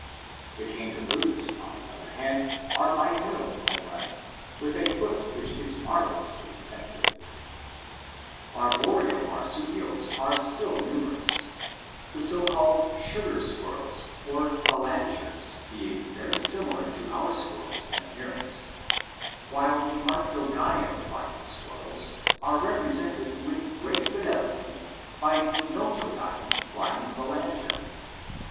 The kangaroos, on the other hand, are bipedal when running, with a foot which is marvelously effective. Arboreal marsupials are still numerous, the so called "sugar squirrels " or phalangers being very similar to our squirrels in ap pearance, while the Arctogaean flying squirrels are represented with great fidelity by the Notogaean flying phalanger (Pelaurus sciureus).